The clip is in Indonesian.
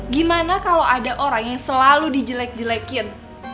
gimana kalau ada orang yang selalu dijelek jelekin